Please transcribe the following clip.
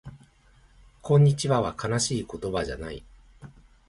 こんにちはは悲しい言葉じゃない